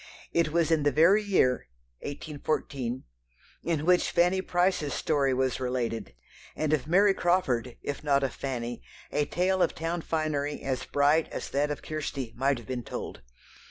It was in the very year (1814) in which Fanny Price's story was related, and of Mary Crawford, if not of Fanny, a tale of town finery as bright as that of Kirstie might have been told.